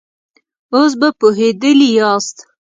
اوس به پوهېدلي ياست.